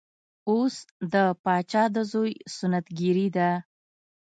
اوس د پاچا د زوی سنت ګري ده.